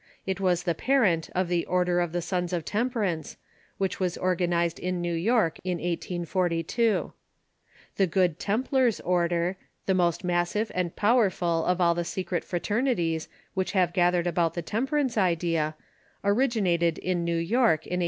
It was the parent of the Order of the Sons of Temperance, which was organized in New York in 1842. The Good Templars order, the most massive and power ful of all the secret fraternities which have gathered about the temperance idea, originated in New York in 1851.